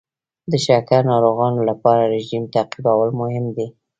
د شکر ناروغانو لپاره رژیم تعقیبول مهم دي.